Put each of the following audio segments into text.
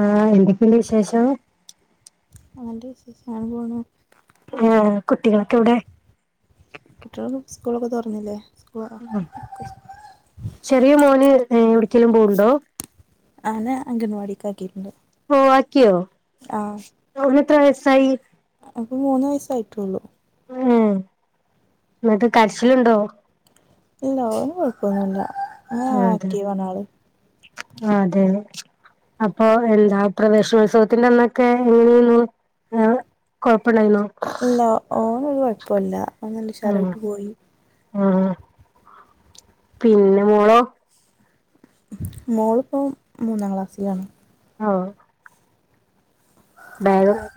ആ എന്തൊക്കണ്ട് വിശേഷം അന്റെ വിശേഷം അങ്ങനെ പോണ് ആകുട്ടികളൊക്കെ എവിടെ കുട്ട്യളൊന്നും സ്കൂളൊക്കെ തൊർന്നില്ലേ ഉം ചെറിയമോന് ഏ എവ്ട്ക്കേലും പൊവ്ണ്ടോ ആനെ അംഗനവാടി ക്കാക്കിട്ട്ണ്ട് ഒ ആക്ക്യോ [unintelligible] ത്ര വയസായി ഇപ്പോമൂന്ന് വയസ്സായിട്ടൊള്ളു ഉം ന്നട്ട് കരച്ചില്ണ്ടോ ഇല്ലാ ഓന് കൊഴപ്പമൊന്നുല്ല ആ ആക്ക്ടിവാനാള് അ അതെയപ്പൊ പ്രവേശന ഉത്സവത്തിന് ഒക്കെ എങ്ങനാരുന്നു കുഴപ്പമുണ്ടാരുന്നോ അവനൊരുകുഴപ്പവുമില്ല അവൻ നല്ല ഉഷാറായിട്ടുപോയി ആ പിന്നെ മോളോ മലോ ഇപ്പോ മൂനാംക്ലാസ്സിലാണ് ഒ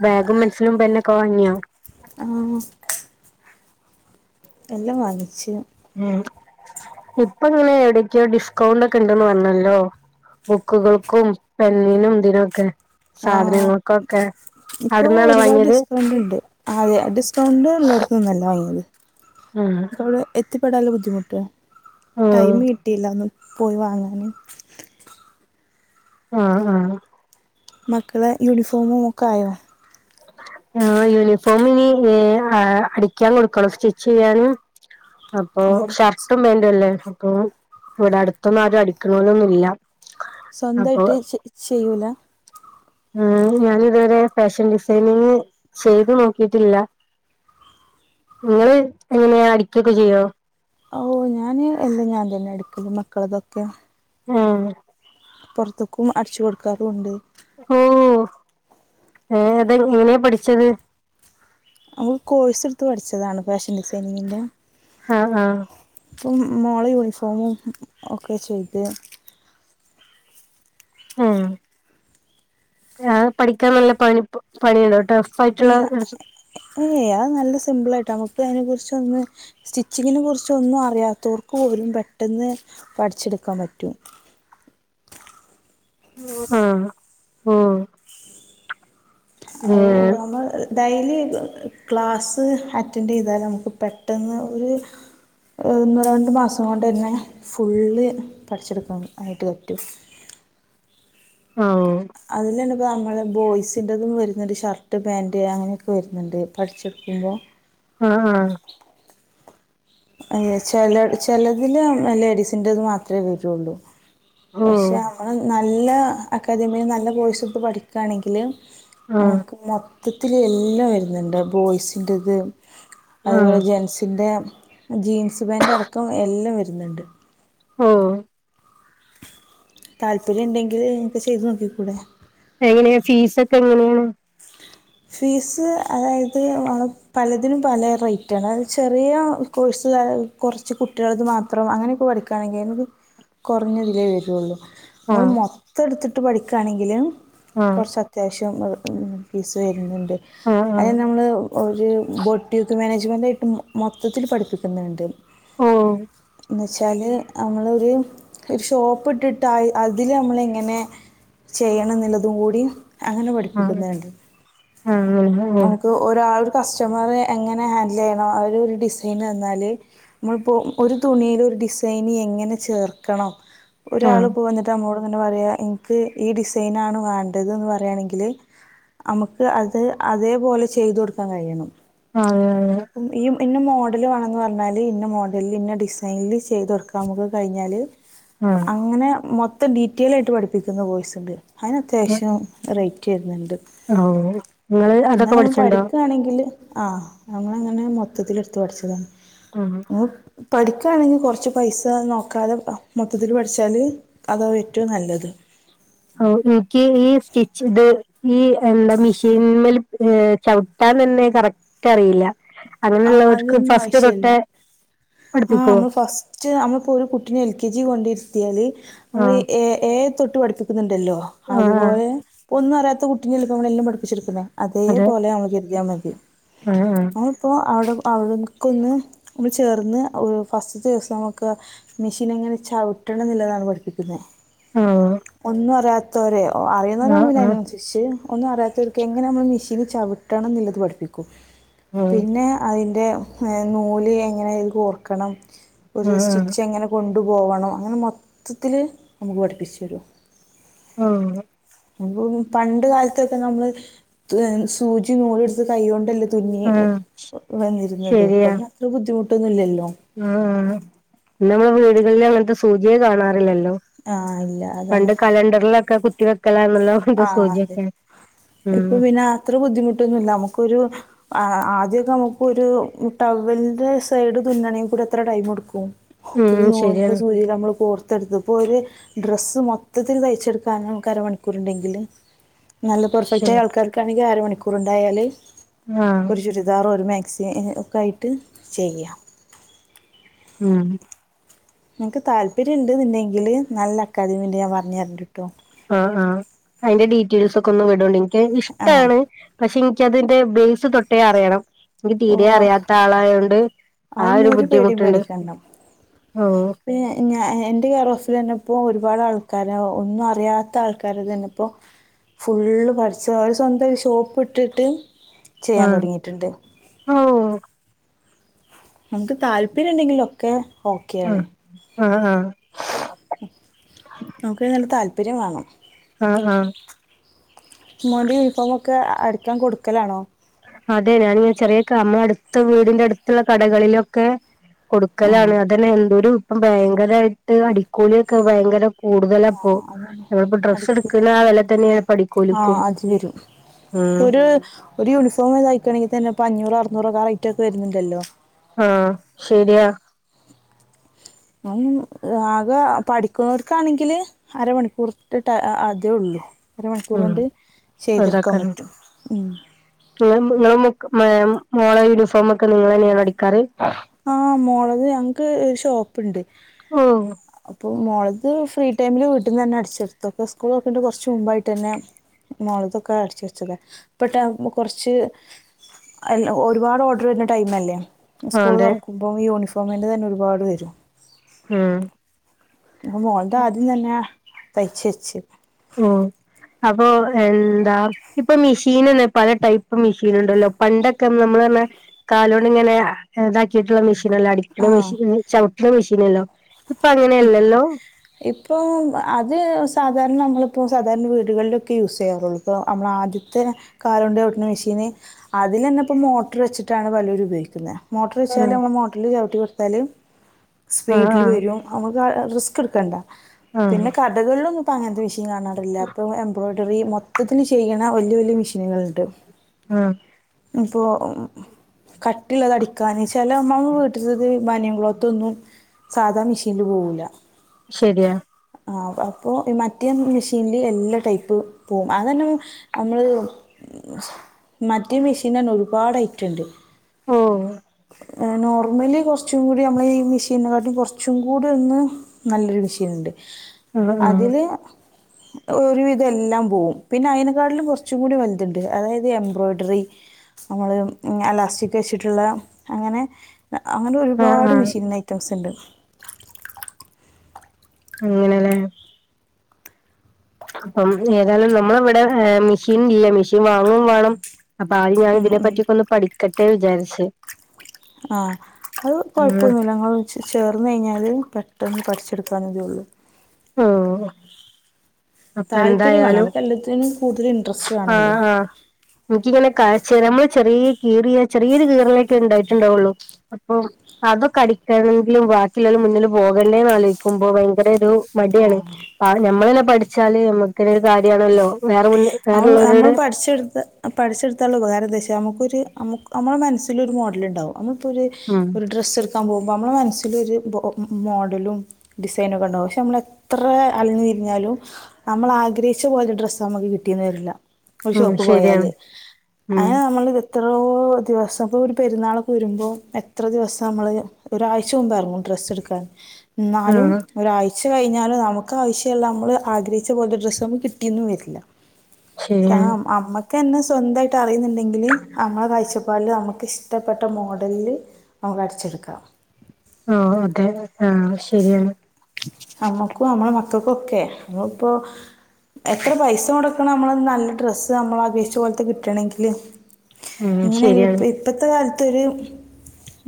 ബാഗും പെൻസിലും പെൻ ഒക്കെ വാങ്ങിയോ ആ എല്ലാം വാങ്ങിച്ചു ഇപ്പോൾ ഇടക്ക് ഡിസ്‌കൗണ്ട് ഉണ്ടന്നുപറഞ്ഞല്ലോ ബുക്കുകൾക്കും പെന്നിനും ഇതിനൊക്കെ ആ സാധനങ്ങൾക്കൊക്കെ ഇപ്പോൾ അവിടന്നാണോ ഇരു പാട് വാങ്ങിയത് ഡിഡകൗണ്ട് ഒണ്ടു ഡിസ്‌കൗണ്ട് ഉള്ളടത്തുന്നല്ലവാങ്ങിയത് ആഹ് അവിടെ എത്തിപെടാനുള്ള ബുദ്ധിമുട്ടാ ടൈം ആഹ് കിട്ടിയില്ല പോയി വാങ്ങാനും ആ ആ മക്കളുടെ യൂണിഫോമൊക്കെആ യോ ആയി യൂണിഫോമൊക്കെ അടിക്സൺകൊടുക്കണം സ്റ്റിച് ചെയ്യാനും അപ്പോഷുംർട്ടും വേണ്ടല്ലേ [unintelligible] സ്വന്തസ്മയിട്ടു ചെയ്യൂല്ല ഞാനിതുവരെ ഫാഷൻ ഡിസൈനിങ് ചെയ്തുനോകീറ്റില്ല നിങ്ങൾ എങ്ങനെയാ അടിക്ക ഒക്കെ ചെയ്യുമോ ഒ ഞാൻ എന്നും ഞാൻതന്നെഅടിക്കും മകൾ ളൊക്കെ മ് പുറത്തേക്കു അടിച്ചു കൊടുക്കാറുമുണ്ട് ഓ അതെങ്ങനെയാ പഠിച്ചത് ഓൾ കോഴ്സ് എടുത്ത് പഠിച്ചതാണ് ഫാഷൻ ഡിസൈനിങ്ങിന്റെ ആഹ ആഹ ഇപ്പം മോളെ യൂണിഫോമും ഒക്കെ ചെയ്ത് ഉം ഞൻ പഠിക്കാൻ നല്ല പണി പണിുണ്ടോട്ടെ [unintelligible] പില്ല ഏയ് അത് നല്ല സിമ്പിൾ ആയിട്ട് നമുക്ക് അതിനെ കുറിച്ചൊന്ന സ്റ്റിച്ചിങ്ങിനെ കുറിച്ചൊന്നും അറിയാത്തവർക്ക് പോലും പെട്ടെന്ന് പഠിച്ചെടുക്കാൻ പറ്റും ആ ആ അ നമ്മ [unintelligible] ഡെലി ക്ലാസ്സ് അറ്റൻഡ് ചെയ്താൽ നമുക്ക് പെട്ടെന്ന് ഒരു ഒന്നൂ രണ്ട് മാസം കൊണ്ട് തന്നെ ഫുള്ള് പഠിച്ചെടുക്കാ ആയിട്ട് പറ്റും ആ ഓ [unintelligible] നമ്മടെ ബോയ്സിന്റെതും വരുന്നോണ്ട് ഷർട്ട്‌ പാന്റ് അങ്ങനൊക്കെ വരുന്നോണ്ട് പടിച്ചകൊടുക്കുമ്പോ ആ ആഹാ ചെലട് ചെലതില് ലേഡിസിന്റെത് മാത്രേ വരുള്ളൂ ഓ പക്ഷേ നമ്മൾ നല്ല നല്ല അക്കാദമിയിൽന്ന് നല്ല കോഴ്സ് എടുത്ത് പഠിക്കണങ്കിൽ ആഹ് [unintelligible] മൊത്തത്തിൽ എല്ലാം വരുന്നോണ്ട് ബോയ്സ് ഇന്റേത് അത്പോലെ ആഹ് ജെൻസിന്റെ ജീൻസ് പാന്റ് അടക്കം എല്ലാം വരുനൊണ്ട് ഓ താല്പര്യം ഇണ്ടങ്കിൽ നിങ്ങക്ക് ചെയ്തനോക്കികൂടെ എങ്ങനെയാ ഫീസ് ഒക്കെ എങ്ങനെയാ ഫീസ് അതായത് പലത്തിൽ പല റേറ്റ് ആണ് അത് ചെറിയ കോഴ്സ്ക കൊറച്ചുകുട്ടികൾത് മാത്രം അങ്ങനൊക്കെ പഠിക്കണങ്കിൽ കൊറഞ്ഞതിലെവരുള്ളൂ ഓൻ ആഹ് മൊത്തടുത്ത പഠിക്കണക്കിൽ ആഹ് കൊറച്ചാത്യാവശങ്ങൾ [unintelligible] ആഹ് [unintelligible] ആഹ് അയിനമ്മൾ ഒരു ബോട്ടിക്ക് ജുവാനെയിട്ടും മൊത്തത്തിൽ പഠിപ്പിക്കുന്നുണ്ട് ഓ വെച്ചാല് നമ്മൾ ഒരു ഷോപ്പ് ഇട്ടിട്ട് അതിൽ നമ്മള് എങ്ങനെ ചെയ്യാനോനൊള്ളതുകൂടി അങ്ങനെ ആഹ് പഠിപ്പിക്കുന്നോണ്ട് [unintelligible] ആൾ ഒരു കസ്റ്റമർറെ എങ്ങനെ ഹാൻഡിൽചെയ്യണം അവർ ഒരു ഡിസൈൻതന്നാല് നമ്മളഇപോ ഒരു തുണിൽ ഒരു ഡിസൈന് എങ്ങനെ ചേർക്കണം ഒരാള് പോഎന്നിട്ട് നമ്മളോട് എന്നോട് പറയ എന്ക്ക് ഈ ഡിസൈൻനാണ് വേണ്ടതന്ന്‌ പറയാണങ്കിൽ അം അത് അതേപോലെ ചെയ്ത് കൊടുക്കാൻ കഴിയണം ആ ഉ പിന്നെ മോഡല് വേണംമെന്ന് പറഞ്ഞാൽ ഇന്ന മോഡല ഇന്ന ഡിസൈനിൽ ചെയ്ത് കൊടുക്കാൻ നോക്ക കഴിഞ്ഞാൽ ആഹ് ആഹ് അങ്ങനെ മൊ മം ഡീറ്റെൽായിട്ട് പഠിപ്പിക്കുന്ന ബോയ്സ് ഉണ്ട് ഹന തശും റക്ക ചരുന്നുണ്ട് ഓ നിങ്ങള് അതൊക്കെ പഠിച്ചിട്ടുണ്ടോ പഠിക്കുകയാണെങ്കിൽ ആ ഞങ്ങങ്ങനെ മൊത്തത്തില എടുത്ത് പഠിച്ചതാണ് ആഹ് ഓഹ പഠിക്കാണെ കൊറ്ച്ച് പൈസ നോക്കാതെ അ മൊത്തത്തില് പഠിച്ചാല് അതാ ഏറ്റവും നല്ലത് ഓ ഇയ്ക്ക് ഈ സ്റ്റിച്ച് ഇത് ഈ എന്താ മിഷീന്മേൽ ചവിട്ടാനന്നെ കറക്റ്റ് അറീല്ല ആ അയ്നൊന്നും ആവശ്യല്ല ആഹ് പഠിപ്പിക്കോ? നമ്മൾ ഫസ്റ്റ് നമ്മളപ്പൊരു കുട്ടിനെഎൽ കെ ജി കൊണ്ടോര്ത്തിയാല് നമ്മള് ആഹ് ഏ ഏ തൊട്ട് പഠിപ്പിക്കുന്നുണ്ട് ണ്ടല്ലോ ആഹ് ആഹ് അതുപോലെ ഒന്നും അറ്യാത്ത കുട്ടി നെല്ല മ്മളെല്ലംപഠപ്പിച്ചിരിക്കുന്നത് അതെ അതേപോലെ അ [unintelligible] വക്കർദ്യാ മതി [inaudible] ആഹ് അഹ് അവടെ അവിട്ക്കൊന്ന് മൾ ചേർന്ന് ഫസ്റ്റവിസം നമുക്ക് മിഷീനെങ്ങനെ ചവിട്ടണന്നില്ലതാണ് പഠിപ്പിക്കുന്നത് ആഹ് ആഹ് ഒന്നു അറ്യാത് തോരയോ ഓ ആഹ് അറിയുന്നരാവുമ്പയ്നൻസരിച്ച് ഒന്നും അറ്യാത്തോർക്ക് എങ്ങനെ നമ്മളെ മിശ് ന് ചവിട്ടണം ന്ന്ള്ളത് പഠിപ്പിക്കും ആഹ് പിന്നെ അയ്ന് നൂല് എങ്ങനെ ഐൽ കോർക്കണം ഒരു ആഹ് സ്റ്റിച്ച് എങ്ങനെ കൊണ്ട് കൊണ്ടു പോവണം അങ്ങനെ മൊത്തത്തില് നമുക്ക് പഠിപ്പിച്ചു തരും ആഹ് [unintelligible] പണ്ട് കാലത്തൊക്കെ നമ്മള് സൂചി നൂലുട് ത്ത് കൈകൊണ്ടല്ല തുന്നിയത് ആഹ് [unintelligible] വന്നിരുന്നത് ഇപ്പോ ശരിയാ പിന്നത്ര ബുദ്ധിമുട്ട് ന്ന് ല്ലല്ലോ ആഹ് നമ്മെ വീടുകളിൽ അങ്ങനത്തെ സൂചയെ കാണാറില്ലല്ലോ ആഹ് പണ്ട് കലണ്ടർലൊക്കെ കുട്ടി ആ അതെ ഇപ്പൊ ഉം പിന്നെ അത്രെ ബുദ്ധിമുട്ടൊന്നുല്ല നമുക്കൊരു ആഹ് ആദ്യനമുക്കൊരു ടവ്വൽന്റെ സൈഡ് തുന്നണങ്കിൽ എത്ര ടൈം എട്ക്കും ഒരു ഉം നൂലിന്റെ ശരിയാണ് സൂജിയിലമ്മള് കോർ ത്തെടുത്ത ഇപ്പോര് ഡ്രസ്സ് മൊത്തത്തില് തയ്ച്ചെടുക്കാനാ നമ്മക്കര ഉരുണ്ടെങ്കിലും നല്ല ശരി പെർഫെക്റ്റായ ആൾക്കാർക്കറി അര മണിക്കൂറുണ്ടായാല് ആഹ് ഒരു ചുരിദാറൊ ഒരു മേക് സ്നെക്കായിട്ട് ചെയ്യാം ഉം നിങ്‌ക്ക് താല്പര്യണ്ട് ന്നിണ്ടെങ്കില് നല്ല അക്കാദമിണ്ട് ഞാൻ പറഞ്ഞര്ണ്ട്ട്ടോ ആ ആ അയ്ന്റെ ഡീറ്റെൽസൊക്കെ ഒന്ന് വിടൊ ക്ക് ആ ഇഷ്ട്ടാണ് പക്ഷെൻ എക്കതിന്റെ ബേസ് തൊട്ടേ അറിയണം എനിക്ക് തീരെ അറിയാത്ത ആളായോണ്ട് ആ അതൊന്ന് ഒരു പേടീം ബുദ്ധിമുട്ടുണ്ട് പേടിക്കണ്ട ഓ പി ഞയെ എന്റെ കെറോഫിൽ തന്നെപ്പോ ഒരുപാട് ആൾക്കാര ഒന്നും അറിയാത്ത ആൾക്കാര് തന്നെപ്പോ ഫുള്ള് പടിച്ചോ അവര് സ്വന്തം ഒരു ഷോപ്പ് ഇട്ടിട്ട് ചെയ്യാൻ ആഹ തുടങ്ങിയിട്ടുണ്ട് ഓ നമുക്ക് താല്പര്യം ണ്ടെങ്കിലോ ക്കെ ഓക്കെയാണ് ആഹ ആഹ നമുക്ക് നല്ല താല് പ്പര്യം വേണം ആഹ ആഹ മോന്റെ യൂണിഫോമൊക്കെ അടി ക്കാൻ കൊടുക്കലാണോ അതെ ഞനിങ്ങനെ ചെറിയ കമ്മ അടുത്ത വീടിന്റെ അടുത്തുള്ള കടകളിലൊക്കെ കൊടുക്കലാണ് ആ അതന്നെ എന്തൊരു അപ്പം ഭയങ്കരായിട്ട് അടിക്കൂലിയൊക്കെ ഭയങ്കര ആഹ കൂടുതലപ്പോ അതന്നെ നമ്മളിപ്പോ ഡ്രസ്സ് അടിക്കൂ എടുക്കുന്ന ആ വെല തന്നെയാണ് ഇപ്പ ആഹ അടിക്കൂലിക്കും അജു വരും ഉം ഒര് ഒരു യൂണിഫോം തൈ ക്കണെങ്കി തന്നെപ്പ അഞ്ഞൂറ് അറന്നൂറൊക്ക ആ റൈറ്റൊക്കെ വരുന്നുണ്ടല്ലോ ആഹ് ശരിയാ ആകെ പഠിക്കണോർക്കാണെങ്കില് അരമണിക്കൂർട്ടേ അതേ ഒള്ളൂ അര ഉം മണിക്കൂറൊണ്ട് ചെയ്തെട്ക്കാൻ അതാക്കാരം പറ്റും മോള യൂണിഫോമ ഒക്കെ നിങ്ങൾ തന്നെയാണ് അടിക്കാറ് ആഹ മോളത് ഞങ്ങക്ക് ഒരു ഷോപ്പുണ്ട് ഓ അപ്പൊ മുോളത് ഫ്രീ ടൈമില് വീട്ടിൽന്ന് തന്നെ അടിച്ചെടുത്തൊക്കെ സ്കൂൾക്ക കുറച്ച് മുമ്പായിട്ട് തന്നെ മോളതൊക്കെ അടിച്ച വച്ചക്കെ ഇപ്പ കുറച്ച് ഒരുപാട് ഓർഡർ വരണ്ട ടൈമ അല്ലേ ആഹ് അതെ കൂടുതറക്കുമ്പോ യൂണഫം സമേറ് തന്നെ ഒരുപാട് വരും ഉം മോളന്താ ആദ്യം തന്നെയാ പക്ഷിച്ച ഓ അപ്പൊ എന്താ ഇപ്പൊ മെഷീൻ തന്നെ പല ടൈപ്പ് മെഷീൻ ഉണ്ടല്ലോ പണ്ടൊക്കെ നമ്മൾ തന്നെ കാലൊണ്ട ഇങ്ങനെ ഇതാക്കിയിട്ടുള്ള മെഷീൻ ആഹ് ട ചവി ചന്നല്ലോ ഇപ്പൊ അത് സധ നമ്മ സാധാരണ വീടുകളിലൊക്കെ യൂസ് ചെയ്യാറുള്ളു ഇപ്പോൾ നമ്മൾ ആദ്യത്തെ കാലം കൊണ്ട് കവിട്ടുന്ന മെഷീന് അതിൽ തന്നെ ഇപ്പോൾ മോട്ടർ വച്ചിട്ടാണ് പലരും ഉപയോഗിക്കുന്നത് മോർ ഇഛച്ചായ ഉം അല്ല മോില് ജട്ട തലും ആഹ് സ്പീഡിൽ ആഹ് വരും നമുക്ക് റിസ്ക് എടുക്കണ്ട ആഹ് പിന്നെ കഥകളിലൊ പഷ [unintelligible] എ്രറി മൊ ചെയ മെഷീനുകള ഉണ്ട് ആഹ ഇപ്പോ കട്ടുള്ളത് അടിക്കാന് ചില അമ്മമാ വീട്ട മനിയം ലോത്തൊന്നും സാധാ നിഷ കരുവോല ശരിയാ ആ അപ്പോൾ മറ്റേ മെഷീനിൽ എല്ലാ ടൈപ്പ് പോകും അത തന്നെ നമ്മള് [unintelligible] മറ്റ മെഷീന തന്ന ഒരുപാട് ഐറ്റുണ്ട് ഓ നോർമലി കുറച്ചും കൂടി നമ്മള ഈ മെഷീനെ കാട്ടി കുറച്ചും ചുംങ്കൂട് ഒന്ന് നല്ലൊരു വിഷയമുണ്ട് ആഹ് ആഹ് അതില് ഒരു ഇതെല്ലാം പോകും പിന്നെ അയിതിനെക്കാട്ടിലും കുറച്ചും കൂടി വലുതുണ്ട് അതായത് എംബ്രോയിഡറി നമ്മള് അലാസ്റ്റിക് വെച്ചിട്ടുള്ള അങ്ങനെ അങ്ങനെ ആഹ് ഒരുപാട് ആഹ് മെഷീൻ ഐറ്റംസ് ഉണ്ട് അങ്ങനെലെ അപ്പം ഏതായാലും നമ്മള ഇവിടെ മെഷീൻ ഇല്ല മെഷീൻ വാങ്ങും വേണം അപ്പോ ആദ്യം ഞാൻ ഇതിനെ ഉണ്ട് പറ്റിക്കേന്ന് പഠിക്കട്ടെ ട്ടെ വിചാരിച്ച് ആ അത് ഉം കൊഴപ്പൊന്നുല്ല ങ്ങൾ ചേർന്ന് കഴിഞ്ഞാല് പെട്ടെന്ന് പഠിച്ചെടുകാവു ന്നത്ള്ളു ആ താല്പര്യമാണ് നമുക്ക് എല്ലാത്തിനും കൂടുതൽ ഇൻട്രസ്റ്റ് ആ വേണമല്ലോ ആ എനക്കിങ്ങനെ കാ ചേരാ മ്മള് ചെറിയ കീറിയ ചെറിയൊരു കീറലൊക്കെ ഉണ്ടായിട്ടുണ്ടാവുള്ളു അപ്പോ അതൊക്കെ അടിക്കണെങ്കിലും ബാക്കിയുള്ളലെ മുന്നിൽ പോകണ്ടേന്ന് ആലോക്കുമ്പോ ഭയങ്കര ഒരു മടിയാണ് കണം ഞമ്മളന്നെ പഠി ചാല് നമക്കന്നെ ഒരു കാര്യണല്ലോ വേറെ അവ് നമ്മൾ വേറെള്ളവരോട് പഠിച്ചെടുത്ത് പഠിച്ചെടുത്തള്ള ഉപകാരന്താച്ചാൽ നമുക്കൊര് നമ്മളെ മനസ്സിലോരുമോഡല്ണ്ടാവും നമ്മൾ ഇപ്പോ ഒരു ഉം ഒരു ഡ്രസ്സെടു ക്കാൻ പോകുമ്പോ നമ്മളെമനസ്സിലൊരു ഓ ഓ മു മു മോഡലും ഡിസൈനക്കെ ഉണ്ടാകും പക്ഷെ നമ്മളെ എത്ര അലഞ്ഞു തിരിഞ്ഞാലും നമ്മൾ ആഗ്രഹിച്ച പോലരു ഡ്രസ്സ് നമുക്ക് കിട്ടീന്ന് വര്ല ഒരു ഉം ഷോപ്പ് പോയാല് ശരിയാണ് ഉം അങ്ങനെ നമ്മള് എത്രോ ദിവസം ഇപ്പോ ഒരു പെരുന്നാളൊക്കെ വരുമ്പോ എത്ര ദിവസം നമ്മള് ഒരാഴ്ച മുമ്പേഎറങ്ങും ഡ്രസ്സ് എടുക്കാൻ എന്നാലും ആഹ് ഒരാഴ് ച്ച് കഴിഞ്ഞാലും നമുക്ക് ആവശ്യമുള്ള നമ്മള് ആഗ്രഹിച്ച പോലത്തെ ഡ്രസ്സ് നമക്ക് കിട്ടിന്നു വരില്ല ശരിയാണ് സാഖം അമ്മക്ക് ക്കെന്നെ സ്വന്തായിട്ട് അറീന്ന് ണ്ടെങ്കിൽ അമ്മളെ പൈസൊ തുപോലെ നമുക്ക് ഇഷ്ടപ്പെട്ട മോഡല് നമുക്ക് വരച്ചെടുക്കാം ഓ അതെ ആഹ് ശരിയാണ് അമ്മക്കും അമ്മളെ മക്കൾക്കൊക്കെ മ്മള് പ്പോ എത്ര പൈസ മൊട ക്കണം നമ്മള് നല്ല ഡ്രസ്സ് നമ്മള അപേക്ഷിച്ച പോലത്തെ കിട്ടണങ്കില് ഉം ഇങ്ങനെയല്ല ഇപ്പ ശരിയാണ് ഇപ്പത്തെ കാല ത്തൊരു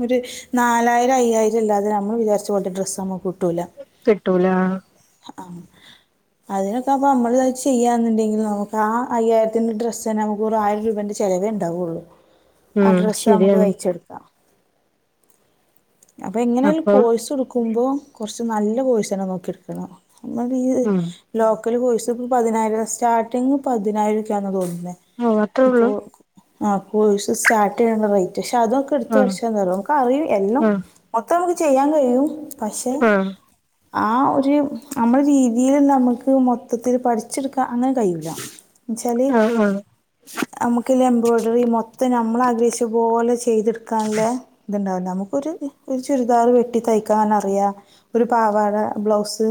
ഒരു നാലായിരം അയ്യായിരം ഇല്ലാതെ നമ്മള് വിചാരിച്ച പോല ഡ്രസ്സ് നമ്മുക്ക് കിട്ടൂല കിട്ടൂല ആഹ് അതിനൊക്കെ അപ്പ നമ്മൾ ചെയ്യാ ന്നുണ്ടെങ്കിൽ നമുക്ക് ആ അയ്യായിരത്തിന്റെ ഡ്രസ്സ് തന്നെ നമുക്ക് വെറും ആയിരം രൂപേന്റെ ചെലവേ ഇണ്ടാവുള്ളു അഹ് ഉം ഡ്രസ്സ് നമുക്ക് ശരിയാണ് തയ്ച്ചെടുക്കാം അപ്പൊ എങ്ങനൊലും അപ്പം കോഴ്സ് ട്ക് ക്കുമ്പോ കൊറച്ച് നല്ല കോഴ്സ് നോക്കി എടുക്കണം നമ്മളീ ഉം ലോ ഒരു കോഴസ് ഇപ്പോൾ പതിനായിരം സ്റ്റാർട്ടിംഗങ് പതിനായിരൊക്കെയാണെന്ന് തോന്നുന്നു ഓ അത്രേ പിന്നെ കോ ഉള്ളൂ ആഹ് കോഴ്സ് സ്റ്റാർട്ടെയ്യ്ണ്ട റേറ്റ് പക്ഷെ അതൊക്കെ ഇട്ത്ത് ആഹ് പഠിച്ചന്ത റിയൊ നമുക്ക് അറി എല്ലാം ആഹ് അത്ര നമുക്ക് ചെയ്യാൻ കഴിയും പശെ ആഹ് ആഹ് ഒര് അമ്മള് രീതീല് ന്നമ്മക്ക് മൊത്തത്തില് പഠിച്ചെടുക് അങ്ങനെ കയൂല്ല എന്ന്ച്ചാല് ആഹ് ആഹ് നമുക്ക എബ്രോയ്ഡറി മൊത്തം നമ്മള് വീഷ് പോലെ ചെ ചെയ്തെടുക്കാനുള്ള ഇതുണ്ടാവില്ല നമുക്ക് ഒരു ഈ ഒരു ചുരിദാർ വെട്ടി തയ്ക്കാൻ നറിയാം ഒരു പാവാട ബ്ലൗസ്